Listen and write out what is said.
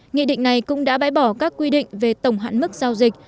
nghị định này cũng đã bãi bỏ các quy định về tổng hạn mức giao dịch